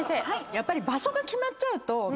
やっぱり。